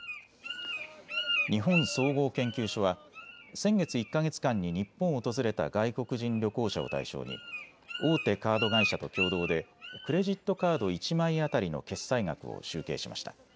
日本総合研究所は先月１か月間に日本を訪れた外国人旅行者を対象に大手カード会社と共同でクレジットカード１枚当たりの決済額を集計しました。